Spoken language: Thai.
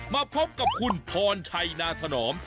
มาพบกับคุณพรชัยนาธนอม